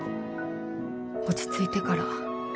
落ち着いてから